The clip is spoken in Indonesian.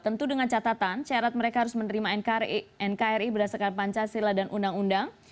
tentu dengan catatan syarat mereka harus menerima nkri berdasarkan pancasila dan undang undang